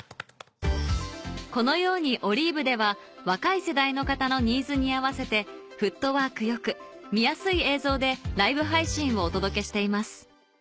このようにＯＬＩＶＥでは若い世代の方のニーズに合わせてフットワーク良く見やすい映像でライブ配信をお届けしています